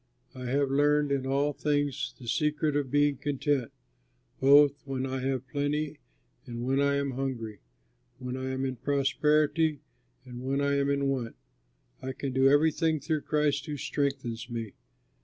I have learned in all things the secret of being content, both when I have plenty and when I am hungry, when I am in prosperity and when I am in want. I can do everything through Christ who strengthens me.